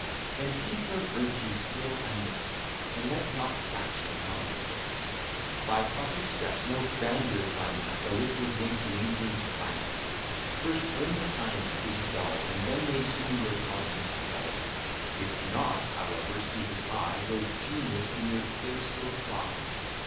Then keep your virtue still unmixt, And let not faction come betwixt: By party steps no grandeur climb at, Though it would make you England's primate; First learn the science to be dull, You then may soon your conscience lull; If not, however seated high, Your genius in your face will fly.